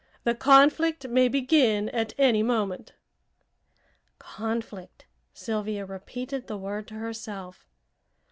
The conflict may begin at any moment." "'Conflict,'" Sylvia repeated the word to herself.